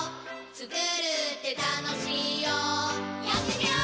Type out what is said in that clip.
つくるってたのしいよやってみよー！